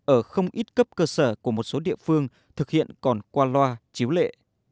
ở không ít cấp cơ sở của một số địa phương thực hiện còn qua loa chiếu lệ